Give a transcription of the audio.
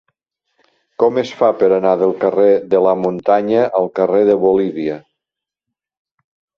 Com es fa per anar del carrer de la Muntanya al carrer de Bolívia?